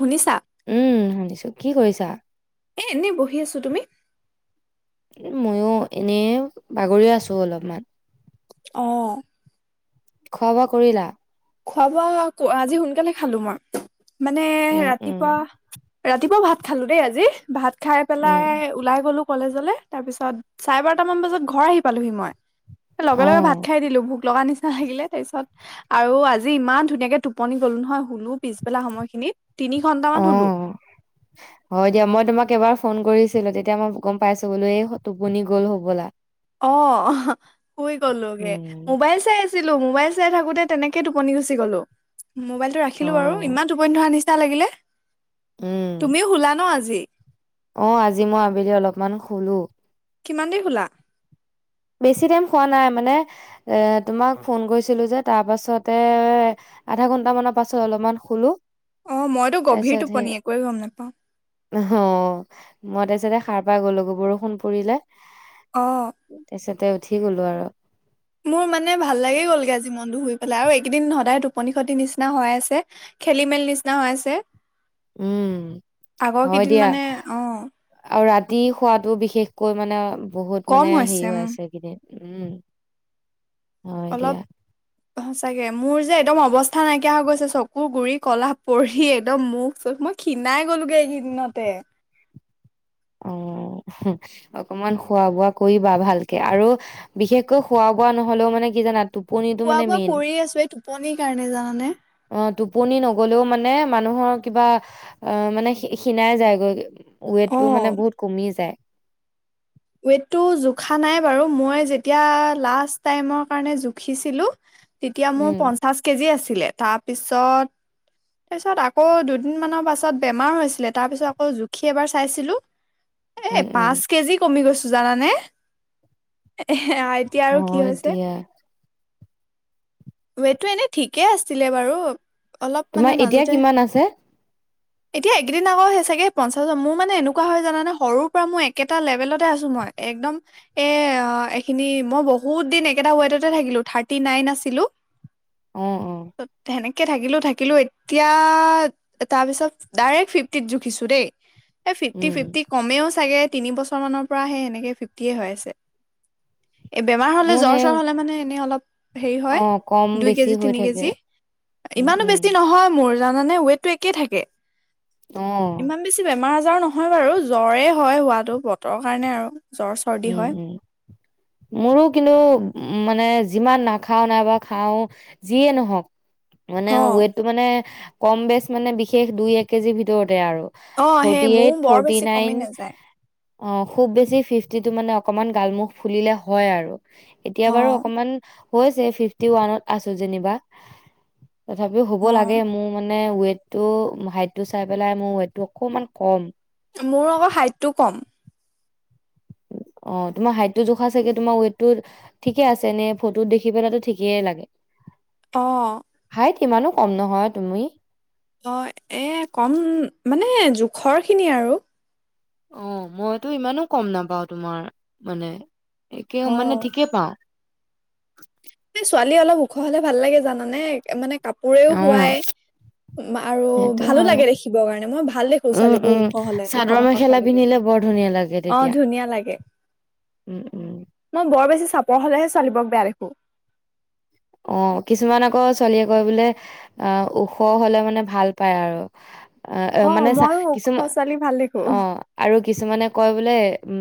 শুনিছা। উম শুনিছো কি কৰিছা। এ এনেই বহি আছো তুমি। মইয়ো এনে বাগৰিয়ে আছো অলপমান। আহ খোৱা বোৱা কৰিলা। খোৱা বোৱা আজি সোনকালে খালো মই। মানে উম, উম, ৰাতিপুৱা ৰাতিপুৱা ভাত। খালো দেই আজি ভাত। খাই উম। পেলাই ওলাই গ'লো কলেজলে তাৰ পিছত চাৰে বাৰটামান বজাত ঘৰ আহি পালোহি মই। লগে লগে ভাত অ', খাই দিলো ভোক। লগা নিচিনা লাগিলে তাৰপিছত আৰু আজি ইমান ধুনীয়াকে টোপনি গলো নহয় শু বলো পিছবেলা সময়খিনিত তিনি ঘন্ট মান শুলো অ', হয় দিয়া। মই তোমাক এবাৰ ফোন কৰিছিলো তেতিয়া মই গম পাইছো বোলো এই টোপনি গ'ল হ'বলা অ শুই গলোগে উম, মোবাইল চাই আ ছিলো মোবাইল চাই থাকোতে তেনেকে টোপনি গুচি গ'লো মোবাইলটো ৰাখিলো বাৰু অ', ইমান টোপনি ধৰা নিচিনা না লাগিলে উম। তুমিও শুলা ন আজি [inaudible] অ আজি মই আবেলি অলপমান শুলো কিমান দেৰি শুলা বেছি টাইম শুৱা নাই মানে এ তোমাক ফোন কৰিছিলো যে তাৰ পাছতে আধা ঘন্টা মানৰ পাছত অলপমান শুলো অ মইতো গভীৰ টোপনি একোৱেইে গম নেপাওঁ অ', মই তাৰ পাছতে সাৰ পাই গ'লো গে বৰষুণ পৰিলে ও তাৰিছতে উঠি গলো আৰু মোৰ মানে ভাল লাগি গ'লগে আজি মনটো শুই পেলাই আৰু এইকেইদিন সদায় টোপনি খতি নিচিনা হৈ আছে খেলি মেলি নিচিনা হৈ আছে উম আগৰ হয় কেইদিন দিয়া মানে অ আৰু ৰা তি খোৱাটো বিশেষকৈ মানে বহুত কম মানে হৈছে হেৰি উম হৈ আছে এইকেইদিন উম হয় দিয়া অলপ সচাকে মোৰ যে একদম অৱস্থা কা নাইকিয়া হৈ গৈছে চকু গুৰি কলা পৰি একদম মুখ চখ মই ক্ষিণাই গ'লোগে এইকেইদিনতে অ অকমান খোৱা বোৱা কৰিবা ভালকে আৰু বিশেষকৈ খোৱা বোৱা নহলেও মানে কি জানা টোপনিটো খোৱা মানে বোৱা মেইন কৰি আছো এই টোপনিৰ কাৰণে জানানে অ টোপনি নগলেও মানে মানুহৰ কিবা মানে খী ক্ষীণাই যাইগৈ টো অ মানে বহুত কমি যায় ৱেটটো জোখা নাই বাৰু মই যেতিয়া লাষ্ট টাইমৰ কাৰণে জুখিছিলো তেতিয়া মোৰ উম পঞ্চাশ কেজি আছে ছিলে তাৰপিছত তাৰপিছত আকৌ দুদিন মানৰ পাছত বেমাৰ হৈছিলে তাৰ পিছত আকৌ জুখি এবাৰ চাইছিলো এ উম উম পাঁচ কেজি কমি গৈছো জানানে হ এতিয়া আৰু কি হয় হৈছে দিয়া টো এনে ঠিকেই আছিলে বাৰু অলপ মানে তোমাৰ এতিয়া মাজতে কিমান আছে এতিয়া এককেইদিন আকৌ সেই চাগে পঞ্চাশজন মোৰ মানে এনেকুৱা হয় জানে সৰুৰ পৰা মই একেটা লেভেলত। মই একদম এখিনি মই বহুত দিন একে ৱেটতে থাকিলো থাৰ্টি নাইন আছিলো। অ অহ কে থাকিলো থাকিলো এতিয়া তাৰ পিছত ডাইৰেক্ট ফিফটিত জুখিছো দেই। এই ফিফটি উম ফিফটি কমেও চাগে। তিনি বচৰ মানৰ পৰাহে এনেকে ফিফটিয়ে হৈ আছে। এই বেমাৰ হ'লে মোৰ জ্বৰ সেই চ্বৰ হ'লে মানে এনেই অলপ হেৰি হয় অ', কম দুই বেছি কেজি হৈ তিনি থাকে। কেজি উম, ইমানো উম, বেছি নহয় মোৰ। জানানে ৱেটটো একে থাকে। অ', ইমান বেছি বেমাৰ আ। ব নহয় বাৰু জ্বৰে হয় হোৱাতটো বতৰ। কাৰণে আৰু। জ্বৰ চৰ্দি উম হয় উম মোৰো কিন্তু উ মানে। যিমান নাখাও নাইবা খাও যিয়ে নহওক। মানে অ ওৱেট মানে কম বেচ মানে বিশেষ দুই এক কেজিৰ ভিতৰত। তে আৰু অ সেই ফৰ্টি মোৰ এইট বৰ ফৰ্টি বেছি কমি নাইন নাযায় আ খুব বেছি ফিফটি। যিটো মানে অকনমান গালমুখ ফুলিলে হয় আৰু। এতিয়া অ বাৰু অকমান। হৈছে ফিফটি ওৱানত আছো যেনিবা। তথাপিও হব অ লাগে মোৰ মানে নে ৱেটটো হাইটটো চাই পেলাই মোৰ ৱেটটো অকমান কম। মোৰ অকল হাইটটো কম। অ তোমাৰ হাইটটো জোখা চাগে তোমাৰ ৱেটটো ঠিকে আছে নে ফটোত দেখি পেলাতো ঠিকেই লাগে। অ ত ইমানো কম নহয় তুমি। অ এ কম মানে জোখৰ খিনি আৰু। অ মইতো ইমানো কম নাপাও তোমাৰ মানে। একে মানে অ' ঠিকেই পাওঁ। ছোৱালী অলপ ওখ হলে ভাল লাগে জানানে মানে। কাপোৰেও অ শোৱাই আৰু সেইটো ভালো হয় লাগে দেখিবৰ কাৰণে মই ভাল দেখো উম ছোৱালীবোৰ উম ওখ হলে ওখ চাদৰ পাখৰ মেখেলা ছোৱালীবোৰ পিন্ধিলে বৰ ধুনীয়া লাগে অ তেতিয়া ধুনীয়া লাগে উম উম মই বৰ বেছি। চাপৰ হলেহে ছোৱালীবোৰক বেয়া দেখো। অ কিছুমান আকৌ ছোৱালীয়ে লয় বোলে অ ওখ হলে মানে ভাল পায় আৰু অ মানে চা মইও ওখ কিছুমান ছোৱালী ভাল দেখো অ আৰু কিছুমানে কয় বোলে।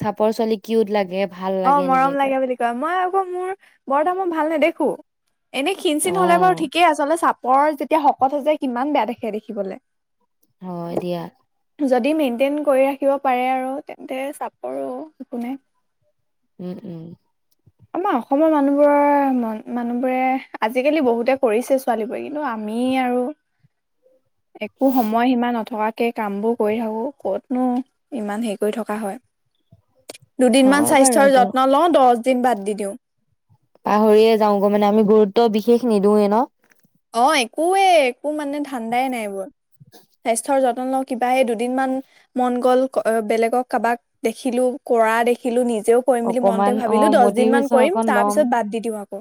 চাপৰ ছোৱালী কিউত লাগে। ভাল অ লাগে এনেকে মৰম লাগে বুলি কয় মই আকৌ মোৰ বৰ এতা মই ভাল নেদেখো। এনে ক্ষীণ চিন হলে বাৰু অ ঠিকেই আচলতে চাপ পৰ যেতিয়া শকত হৈ যায় কিমান বেয়া দেখে দেখিবলৈ হয় দিয়া যদি মেইনটেইন কৰি ৰাখিব পাৰে আৰু তেন্তে চাপোৰো একো নাই। উম উম আমাৰ অসমৰ মানুহবোৰৰ ম মানুহবোৰে আজিকালি বহুতে কৰিছে ছোৱালীবোৰে কিন্তু আমি আৰু একো সময়সীমা নথকাত কে কামবোৰ কৰি থাকো ক'তনো ইমান হেৰি কৰি থকা হয় দুদিনমান হয় বাৰু স্বাস্থ্যৰ এইটো যত্ন লওঁ দহ দিন বাদ দি দিওঁ পাহৰিয়ে যাও গৈ মানে আমি গুৰুত্ব বিশেষ নিদিওঁয়ে ন অ একৱে একো মানে ধাণ্ডাই নাই এইবোৰ স্বাস্থ্যৰ যত্ন লগত কিব দুদিন মান মন গ'ল বেলেগক কাৰোবাক দেখিলো কৰা দেখিলো নিজ নিজেও কৰিম বুলি মনতে অকমান অ ভাবিলো দহ দিন মান মটিভেশ্যন কৰিম অকন তাৰ ল'ম পিছত বাদ দি দিওঁ আকৌ।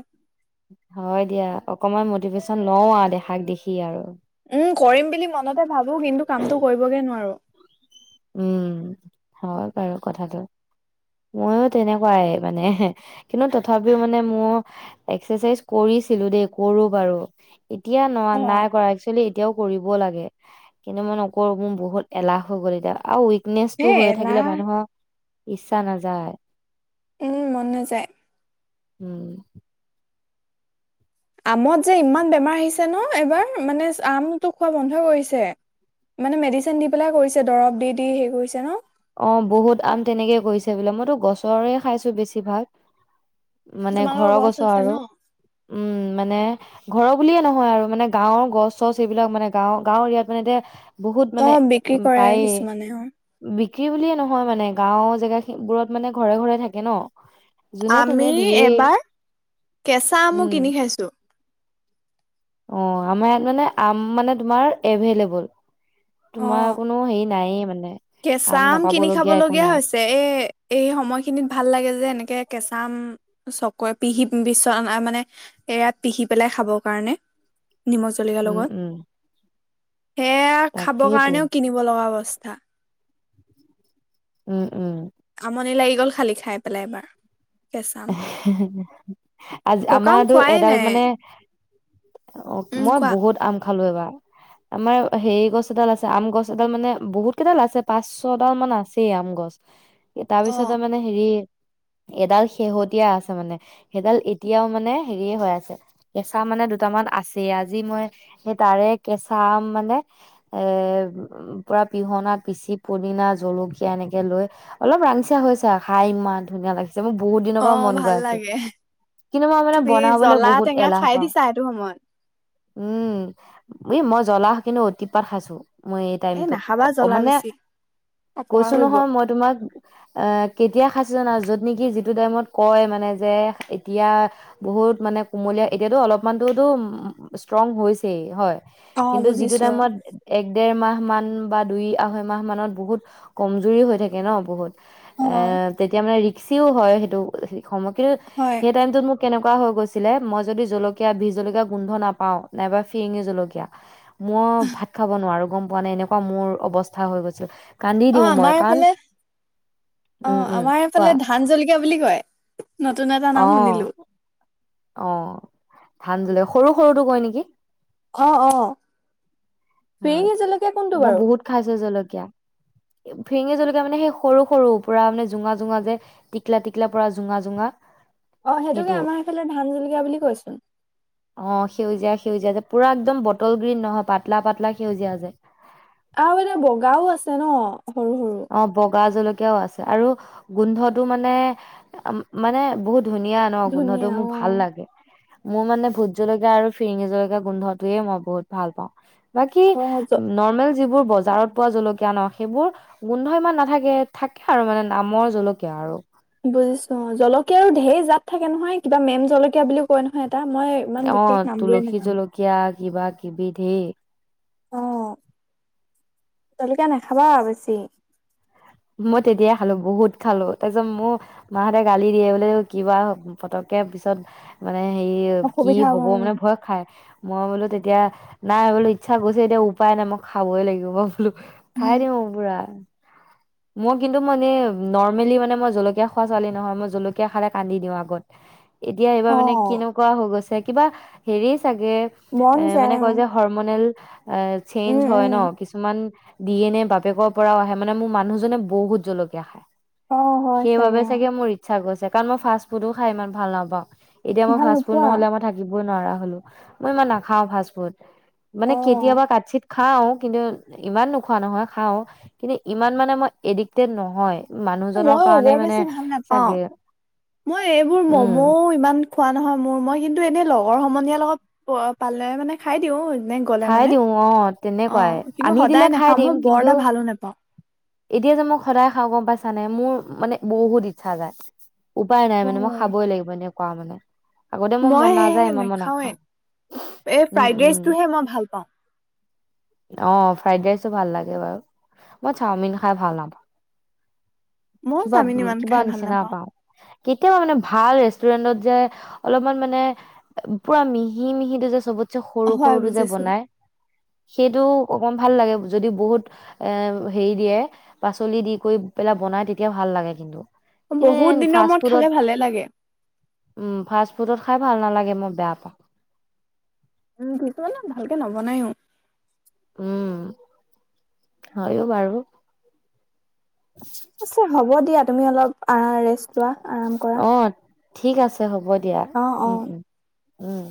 হয় দিয়া অকমান মটিভেশ্যন লও আৰু দেখাক দেখি আৰু উম কৰিম বুলি মনতে ভাবো কিন্তু কামটো কৰিবগে নোৱাৰো উম, হয় বাৰু কথাটো ময়ো তেনেকুৱাই মানে কিন্তু তথাপিও মানে মই এক্সাৰচাইজ কৰিছিলো দেই কৰো বাৰু এতিয়া ন অ নাই কৰা একচোৱালি এতিয়াও কৰিব লাগে কিন্তু মই নকৰো মোৰ বহুত এলাহ হৈ গ'ল এতিয়া আৰু ৱিক এ নেচটো হৈয়ে থাকিলে এলাহ। মানুহৰ ইচ্ছা নাযায় উম মন নাযায় উম আমত যে ইমান বেমাৰ আহিছে ন এই বাৰ, মানে আমতো খোৱা বন্ধ কৰিছে, মানে মেডিচিন দি পেলাই কৰিছে দৰব দি দি হেই কৰিছে ন অ বহুত আম তেনেকে কৰিছে বোলে মইতো গছৰে খাইছো বেছি ভাগ। মানে তোমালোকৰ ঘৰৰ গছ আছে আৰু ন। উম মানে ঘৰৰ বুলিয়ে নহয় আৰু মানে গাঁৱৰ গছ চছ এইবিলাক মানে গাঁও, গাঁৱৰ এৰিয়াত মানে এতিয়া বহুত অ মানে বিক্ৰী উ কৰে পাইয়েই কিছুমানে অ। কি বুলিয়ে নহয় মানে গাও জেগাখিনি বোৰত মানে ঘৰে ঘৰে থাকে ন যোনে তোনে আমি দিয়েই এবাৰ কেঁচা আমু উম কিনি খাইছো অ আমাৰ ইয়াত মানে আম মানে তোমাৰ এভেইলেবল অ তোমাৰ কোনো হেৰি নায়েই মানে কেঁচা আম কিনি নাপাবলগীয়া একো খাবলগীয়া নাই হৈছে এ এই সময়খিনিত ভাল লাগে যে এনেকে কেঁচা। নাম চক পিহি বিচনা মানে এৰাত পিহি পেলাই খাবৰ কাৰণে। নিমখ জলকীয়া উম লগত। উম এয়া খাব তাকেইতো কাৰণেও কিনিব লগা বস্তু। থা উম উম আমনি লাগি। গল খালি খাই পেলাই এবাৰ। কেঁচা আম আজ পকা আম আমাৰতো খোৱাই এডাল নাই মানে অ উম মই কোৱা বহুত আম। খালো এবাৰ আমাৰ হেৰি গছ এডাল আছে আম গছ এডাল মানে বহুত কেইডাল আছে পাঁচ ছডাল মান আছেই আম গছ। তাৰ অ পিছতে মানে হেৰি এডাল শেহতীয়া আছে মানে সেইডাল এতিয়াও মানে হেৰিয়ে হৈ আছে কেঁচা আম মানে দুটামান আছেই আজি মই সেই তাৰে কেঁচা আম মানে এ পুৰা পিহনা পিচি পদিনা, জলকীয়া এনেকে লৈ অলপ ৰাঙচিয়া হৈছে আৰু খাই ইমান ধুনীয়া লাগিছে অ মোৰ। বহুত দিনৰ অ পৰা মন ভাল গৈ আছিল লাগে কিন্তু মই মানে তুমি বনাবলে জ্বলা বহুত টেঙা এলাহ খাই পাওঁ দিছা সেইটো সময়। উম এই মই জ্বলা কিন্তু অতিপাত খাইছো। মই এই এ টাইমত নাখাবা জ্বলা মানে বেছি অপকাৰ কৈছো কৰিব নহয় মই তোমাক এ কেতিয়া খাইছো। জানা য'ত নেকি যিত টো টাইমত কয় মানে যে এতিয়া বহুত মানে কুমলীয়া এতিয়াতো অলপমানতটোতো ইচতৰঙ হৈছেই হয়। অ কিন্তু যিটো বুজিছো টাইমত এক দেৰ মাহ মান বা দুই আঢ়ৈ মাহ মানত বহুত কমজুৰি হৈ থাকে ন বহুত। অ এ তেতিয়া মানে ৰি সিচিও হয়। সেইটো কিন্তু হয় সেই টাইমত মোক কেনেকুৱা। এনেকুৱা হৈ গৈছিলে মই যদি জলকীয়া, বিষ জলকীয়া গোন্ধ নাপাও নাইবা ফিৰিঙি জলকীয়া মই ভাত খাব নোৱাৰো গম পোৱা নাই এনেকুৱা মোৰ অৱস্থা হৈ গৈছিল। কান্দি অ দিওঁ মই আমাৰ কাৰণ এইফালে অ উম উম আমাৰ কোৱা এইফালে ধান জলক বুলি কয়। নতুন এটা নাম অ শুনিলো অ ধান জলকীয়া। সৰু সৰুটো কয় নেকি। অ অ হয় ফিৰিঙি জলকীয়া কোনটো মই বাৰু বহুত খাইছো জলকীয়া। ফিৰিঙি জলকীয়া মানে সেই সৰু সৰু পুৰা মানে জোঙা জোঙা যে টিকলা টিকলা পৰা জোঙা জোঙা। অ সেইটোকে সেইটো আমাৰ এইফালে ধান জলকীয়া বুলি কয়চোন। অ সেউজীয়া সেউজীয়া যে পুৰা একদম বটল গ্ৰীণ নহয় পাতলা পাতল। লাক সেউজীয়া যে আৰু এটা বগাও আছে ন সৰু সৰু অ বগা জলকীয়াও আছে আৰু গোন্ধটো মানে মানে বহুত ধুনীয়া ন, গোন্ধটো ধুনীয়া মোৰ অ ভাল লাগে। মোৰ মানে ভোত জলকীয়া আৰু ফিৰিঙি জলকীয়া, গোন্ধটোৱে মই বহুত ভাল পাওঁ। বাকী অ জ নৰ্মেল। যিবোৰ বজাৰত পোৱা জলকীয়া ন সেইবোৰ। গোন্ধ ইমান নাথাকে, থাকে আৰু মানে নামৰ জলকীয়া আৰু। বুজিছো। অঁ জলকীয়াৰো ধেৰ জাত থাকে নহয় কিবা মেম জলকীয়া বুলিও কয় নহয়। এটা মই ইমান অ বিশেষ নামবোৰে তুলসী নাজানো জলকীয়া কিবা কিবি ধেই। অ জলকীয়া নাখাবা আৰু বেছি। মই তেতিয়াই খালো, বহুত খালো তাৰপিছত মোৰ মা হতে গালি দিয়ে বোলে কিবা পতককে পিছত। মানে হেৰি কি হ'ব মানে ভয় খাই, মই বোলো তেত। তেতিয়া নাই বোলো ইচ্ছা গৈছে এতিয়া উপায় নাই, মই খাবই লাগিব বোলো। খাই উম দিওঁ আৰু পুৰা। মই কিন্তু মানে নৰ্মেলি মানে মই জলকীয়া খোৱা ছোৱালী নহয়, মই জলকীয়া খালে কান্দি দিওঁ আগত। এতিয়া এইবাৰ অ মানে কেনেকুৱা হৈ গৈছে। কিবা হেৰি। চাগে মন এ মানে যায় অ কয় যে হৰমনেল। অ এ, চেঞ্জ উম হয় উম ন কিছুমান। দি নে এ বাপেকৰ পৰাও আহে মানে মোৰ মানুহ। জনে বহুত জলকীয়া খায়। অ হয় সেইবাবে অ চাগে মোৰ ইচ্ছা গৈছে। কাৰণ মই ফাষ্ট ফুডো খাই ইমান ভাল নাপাওঁ। এতিয়া মই ভাল ফাষ্টফুড নোপোৱা নহলে মই থাকিব। মই নোৱাৰা হলো মই ইমান নাখাওঁ ফাষ্ট ফুড। অ মানে কেতিয়াবা কাটছিত। খাওঁ কিন্তু ইমান নোখোৱা নহয়, খাওঁ কিন্তু ইমান মানে মই। এডিক্টেড নহয়। মানুহজনৰ মইয়ো কাৰণে বৰ মানে বেছি ভাল নাপাওঁ। চাগে মই এইবোৰ উম মম'ও ইমান খোৱা নহয় মোৰ, মই কিন্তু এনেই লগৰ সমনীয়াৰ লগত পালে মানে খাই দিওঁ। এনে গ'লে খাই মানে দিওঁ অ অ তেনেকুৱাই, কিন্তু আনি দিলে সদায় খাই নাখাওঁ দিম মই বৰ কিন্তু এটা ভালো নাপাওঁ এতিয়া যে মোক সদায় খাওঁ গম পাইছা নে মোৰ। মানে বহুত ইচ্ছা যায়। উপায় নাই অ মানে মই খাবই লাগিব এনেও। কোৱা মানে। আগতে মোৰ মন মই নাযায় ইমান মই নাখাওৱে, নাখাওঁ এ উম ফ্ৰাইড উম ৰাইচটোহে মই। ভাল পাওঁ অ ফ্ৰাইড ৰাইচো ভাল লাগে বাৰু মই চাওমিন খাই ভাল নাপাওঁ ময়ো কিবা চাওমিন ইমান কিবা খাই ভাল নিচিনা নাপাওঁ পাওঁ কেতিয়াবা মানে ভাল ৰেষ্টুৰেন্টত যে অলপমান মানে পুৰা মিহি মিহিটো যে চবত সৰু হয় সৰুতো যে বুজিছো বনাই সেইটো অকণ ভাল লাগে যদি বহুত হেৰি দিয়ে পাচলি দি কৰি পেলাই বনায় তেতিয়া ভাল লাগে কিন্তু বহুত দিনৰ ফাষ্ট মূৰত ফুডত খালে ভালে লাগে উম ফাষ্ট ফুডত খাই ভাল নালাগে মই বেয়া পাওঁ উম কিছুমানে ভালকে নবনায়ো উম হয় ও বাৰু ঠিক আছে হ'ব দিয়া তুমি অলপ ৰেষ্ট লোৱা আৰাম কৰা অ ঠিক আছে আছে হ'ব দিয়া অ অ উম উম উম